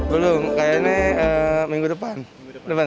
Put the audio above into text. belum kayaknya minggu depan